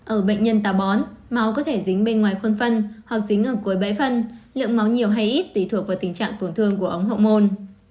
ở bệnh nhân tà bón máu có thể dính bên ngoài khuôn phân hoặc dính ở cuối bẫy phân lượng máu nhiều hay ít tùy thuộc vào tình trạng tổn thương của ống hậu